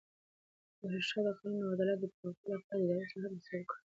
ظاهرشاه د قانون او عدالت د پیاوړتیا لپاره د اداري اصلاحاتو هڅې وکړې.